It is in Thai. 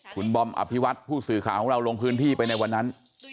คุณบอมอภิวัตผู้สื่อข่าวของเราลงพื้นที่ไปในวันนั้น